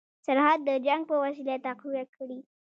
سرحد د جنګ په وسیله تقویه کړي.